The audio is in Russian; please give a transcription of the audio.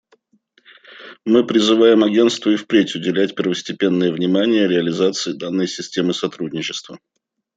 Мы призываем Агентство и впредь уделять первостепенное внимание реализации данной системы сотрудничества.